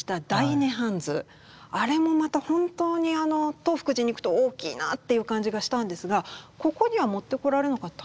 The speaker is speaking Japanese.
あれもまた本当に東福寺に行くと大きいなっていう感じがしたんですがここには持ってこられなかったんですか？